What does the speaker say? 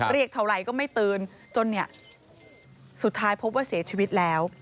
เรียกเท่าไหร่ก็ไม่ตื่นจนเนี่ยสุดท้ายพบว่าเสียชีวิตแล้ว